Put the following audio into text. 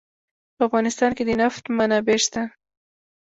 په افغانستان کې د نفت منابع شته.